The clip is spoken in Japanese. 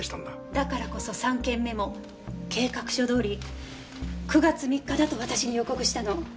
だからこそ３件目も計画書どおり９月３日だと私に予告したの。